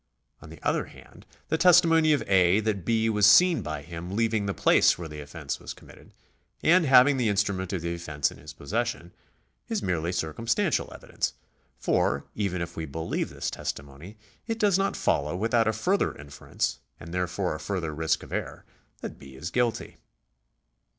On the other hand, the testimony of A. that B. was seen by him leaving the place where the offence was committed, and having the instrument of the offence in his possession, is merely circumstantial evidence ; for even if we believe this testimony, it does not follow without a further inference, and therefore a further risk of error, that B. is guilty.